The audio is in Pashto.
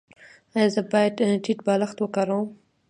ایا زه باید ټیټ بالښت وکاروم؟